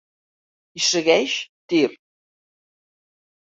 Hi segueix Tir.